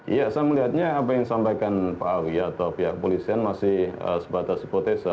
ya saya melihatnya apa yang sampaikan pak awi atau pihak polisian masih sebatas sepotesa